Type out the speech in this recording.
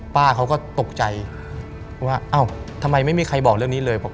ป้าเขาก็ตกใจว่าอ้าวทำไมไม่มีใครบอกเรื่องนี้เลย